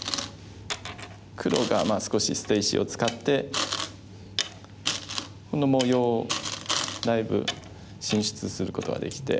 黒が少し捨て石を使ってこの模様だいぶ進出することができて。